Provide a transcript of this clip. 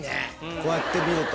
こうやって見ると。